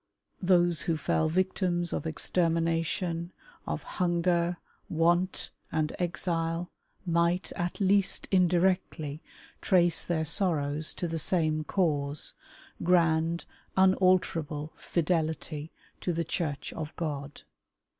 Those who fell victims of extermination, of hunger, want, and exile, might, at least indirectly, trace their sorrows to the same cause — grand, unalterable fidelity to the Church of God.